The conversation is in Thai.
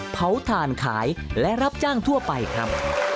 เผาถ่านขายและรับจ้างทั่วไปครับ